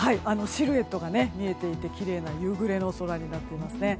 シルエットが見えていてきれいな夕暮れの空になっていますね。